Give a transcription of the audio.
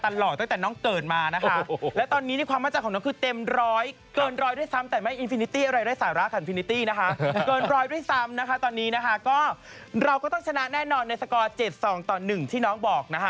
เราก็ต้องชนะแน่นอนในสกอร์๗๒๑ที่น้องบอกนะฮะ